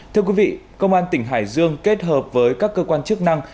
thưa quý vị công an tỉnh hải dương kết hợp với các cơ quan chức năng